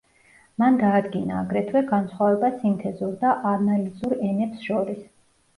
მან დაადგინა აგრეთვე განსხვავება სინთეზურ და ანალიზურ ენებს შორის.